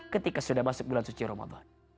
ketika sudah masuk bulan suci ramadan